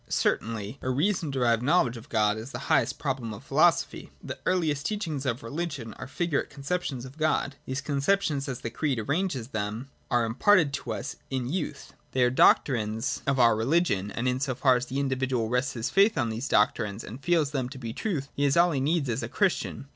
Certainly a reason derived knowledge of God is the highest problem of philosophy. The earliest teachings of religion are figurate conceptions of God. These concep tions, as the Creed arranges them, are imparted to us in youth. They are the doctrines of our religion, and in so far as the individual rests his faith on these doctrines and feels them to be the truth, he has all he needs as a Christian.